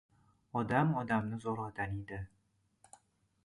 Odam odamni zo‘rg‘a tanidi.